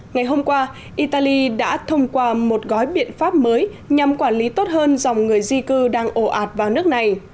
ngày hôm qua italy đã thông qua một gói biện pháp mới nhằm quản lý tốt hơn dòng người di cư đang ổ ạt vào nước này